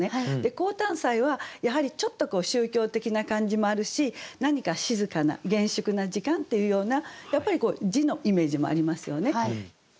「降誕祭」はやはりちょっと宗教的な感じもあるし何か静かな厳粛な時間っていうような字のイメージもありますよね。